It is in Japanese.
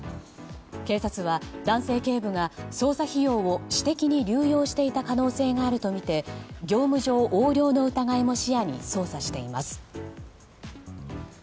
警察は、男性警部が捜査費用を私的に流用していた可能性があるとみて業務上横領の疑いも視野に捜査しています。